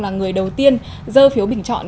là người đầu tiên dơ phiếu bình chọn